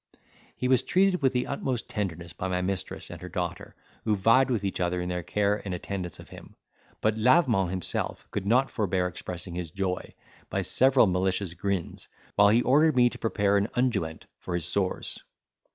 He was treated with the utmost tenderness by my mistress and her daughter, who vied with each other in their care and attendance of him; but Lavement himself could not forbear expressing his joy, by several malicious grins, while he ordered me to prepare an unguent for his sores.